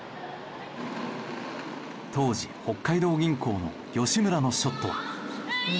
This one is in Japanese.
当時北海道銀行の吉村のショットは。